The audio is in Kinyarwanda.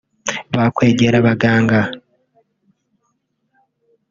bakwegera abaganga